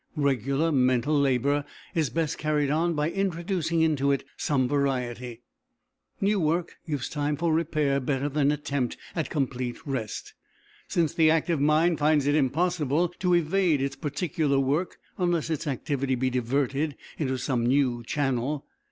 Regular mental labour is best carried on by introducing into it some variety. New work gives time for repair better than attempt at complete rest, since the active mind finds it impossible to evade its particular work unless its activity be diverted into some new channel.